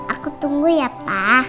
aku tunggu ya pa